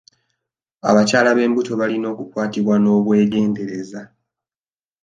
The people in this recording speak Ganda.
Abakyala b'embuto balina okukwatibwa n'obwegendereza.